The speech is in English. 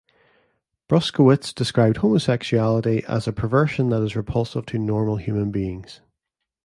Bruskewitz described homosexuality as "a perversion that is repulsive to normal human beings".